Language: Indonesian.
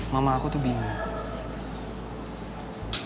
mama aku tuh bingung